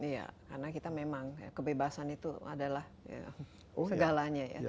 iya karena kita memang kebebasan itu adalah segalanya ya